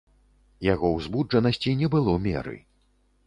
Яго ўзбуджанасці не было меры.